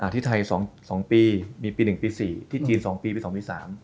ที่ไทย๒ปีมีปี๑ปี๔ที่จีน๒ปีปี๒ปี๓